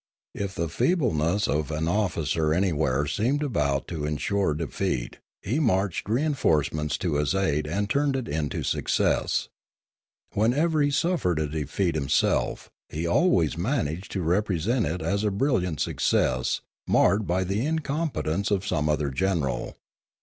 If the feebleness 2o4 Limanora of an officer anywhere seemed ^bout to ensure defeat he marched reinforcements to his aid and turned it into success. Whenever he suffered defeat himself, he always managed to represent it as a brilliant success marred by the incompetence of some other general.